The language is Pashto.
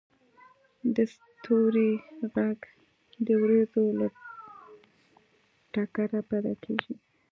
• د ستورمې ږغ د ورېځو له ټکره پیدا کېږي.